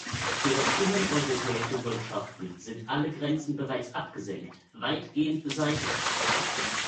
Für das binneneuropäische Wirtschaften sind alle Grenzen bereits abgesenkt, weitgehend beseitigt.